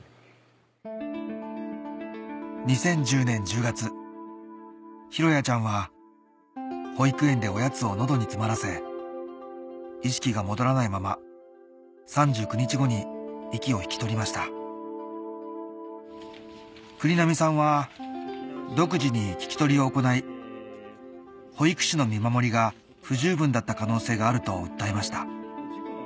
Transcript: ２０１０年１０月寛也ちゃんは保育園でおやつをのどに詰まらせ意識が戻らないまま３９日後に息を引き取りました栗並さんは独自に聞き取りを行い保育士の見守りが不十分だった可能性があると訴えました